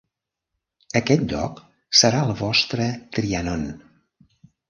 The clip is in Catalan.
Aquest lloc serà el vostre Trianon.